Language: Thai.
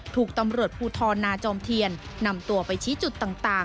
ถูกตำลดผู้ทอดนาจอมเทียนนำตัวไปชี้จุดต่างต่าง